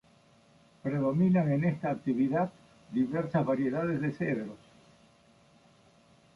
Predominan en esta actividad diversas variedades de cedros.